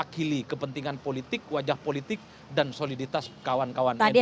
dilih kepentingan politik wajah politik dan soliditas kawan kawan nu yang memilih